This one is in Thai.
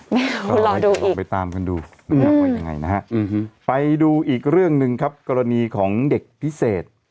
ไม่เอารอดูอีกไปตามกันดูยังไงนะฮะไปดูอีกเรื่องนึงครับกรณีของเด็กพิเศษ